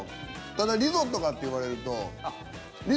ただリゾットかって言われると。